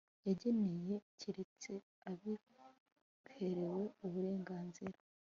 yagenewe keretse abiherewe uburenganzira